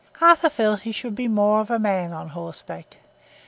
Arthur felt that he should be more of a man on horseback.